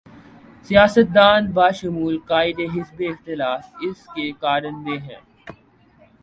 سیاست دان بشمول قائد حزب اختلاف اس کے کارندے ہیں۔